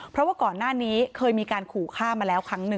เพราะไม่เคยถามลูกสาวนะว่าไปทำธุรกิจแบบไหนอะไรยังไง